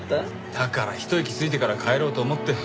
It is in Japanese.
だから一息ついてから帰ろうと思って。